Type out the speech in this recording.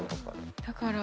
だから。